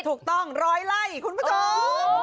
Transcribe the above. ถูกต้องรอยไล่คุณผู้ชม